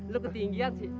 lu ketinggian sih